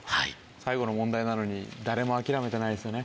最後の問題なのに誰も諦めてないですよね。